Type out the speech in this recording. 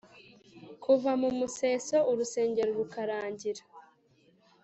kuva mu museso urusengero rukarangira.